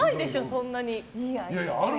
そんなに。